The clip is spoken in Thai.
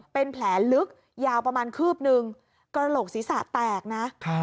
เป็นแผลลึกยาวประมาณคืบนึงกระโหลกศีรษะแตกนะ